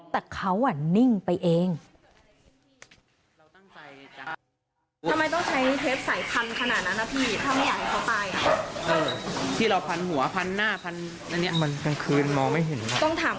แต่เขานิ่งไปเอง